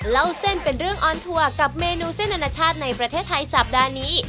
เล่าเส้นเป็นเรื่องออนทัวร์กับเมนูเส้นอนาชาติในประเทศไทยสัปดาห์นี้